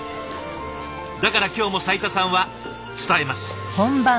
だから今日も斉田さんは伝えます。